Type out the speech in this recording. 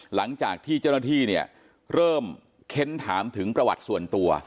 หลังจากที่เจ้าหน้าที่เนี่ยเริ่มเค้นถามถึงประวัติส่วนตัว